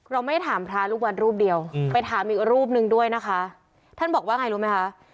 เราไม่ได้ถามพระลูกวัดรูปเดียวไปถามอีกรูปหนึ่งด้วยนะคะท่านบอกว่าไงรู้ไหมคะ